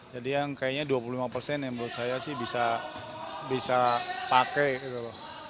jadi yang kayaknya dua puluh lima persen yang menurut saya sih bisa pakai gitu loh